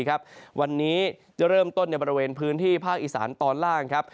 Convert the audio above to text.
ไทยรัฐทีวีครับวันนี้จะเริ่มต้นในบริเวณพื้นที่ภาคอีสานตอนล่างครับ